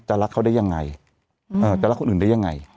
จะรักเขาได้ยังไงอืมเอ่อจะรักคนอื่นได้ยังไง